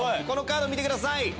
このカード見てください。